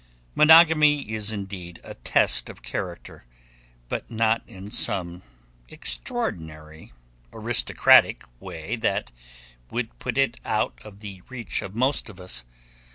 Monogamy is indeed a test of character, but not in some extraordinary, aristocratic way that would put it out of the reach of most of us.